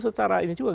secara ini juga